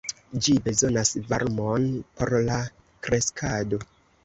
Ĝi bezonas varmon por la kreskado.